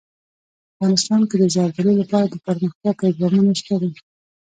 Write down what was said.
افغانستان کې د زردالو لپاره دپرمختیا پروګرامونه شته دي.